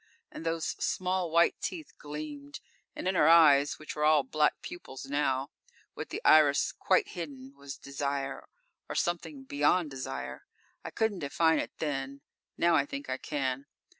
And those small white teeth gleamed; and in her eyes, which were all black pupils now, with the iris quite hidden, was desire or something beyond desire. I couldn't define it then; now, I think I can.